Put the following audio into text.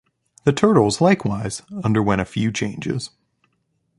The Turtles, likewise, underwent a few changes.